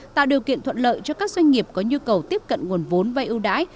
tạo điều kiện thuận lợi cho các doanh nghiệp có nhu cầu tiếp cận nguồn vốn vay ưu đãi